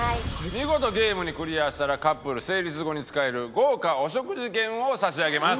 見事ゲームにクリアしたらカップル成立後に使える豪華お食事券を差し上げます。